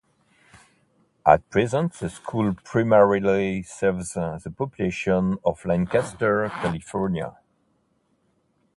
At present, the school primarily serves the population of Lancaster, California.